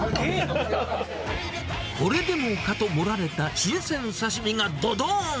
これでもかと盛られた新鮮刺身がどどーん。